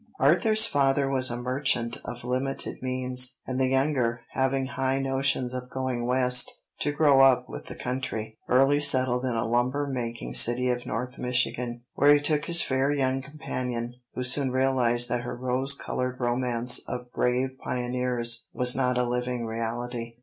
Arthur's father was a merchant of limited means, and the younger having high notions of going West to grow up with the country, early settled in a lumber making city of North Michigan, where he took his fair young companion, who soon realized that her rose colored romance of brave pioneers was not a living reality.